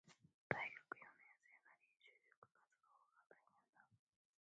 大学四年生なり、就職活動が大変だ